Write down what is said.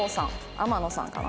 天野さんかな。